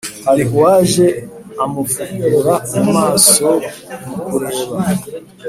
hari uwaje amupfukura mumaso mukureba